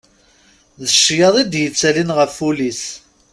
D ccyaḍ i d-yettalin ɣef wul-is.